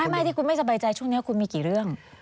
ไม่ที่คุณไม่สบายใจช่วงนี้คุณมีกี่เรื่อง